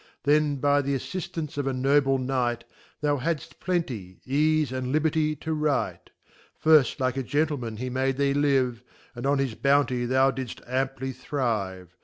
Then by thaffiftanceof a:* Noble .Knight Th'hadft plenty, eafe, and liberty to write. Firft like a Gentleman he made thee live; And on his Bounty thou didft amply thrive.